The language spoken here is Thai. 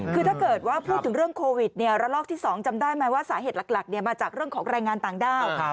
คือถ้าเกิดว่าพูดถึงเรื่องโควิดระลอกที่๒จำได้ไหมว่าสาเหตุหลักมาจากเรื่องของแรงงานต่างด้าว